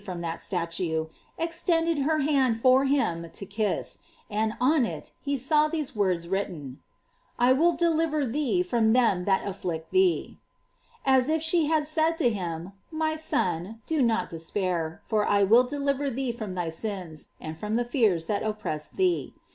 283 kiss, and on it he saw these words written: "I will deliver thee from them that afflict thee." * As if she had said to him: My son, do not despair, for 1 will deliver thee from thy sins, and from the fears that oppress thee.